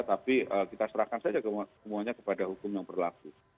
tapi kita serahkan saja semuanya kepada hukum yang berlaku